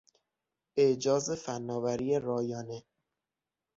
اعجاز فنآوری رایانه